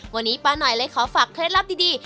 วันนี้ป้าหน่อยเลยขอฝากเคล็ดลับดี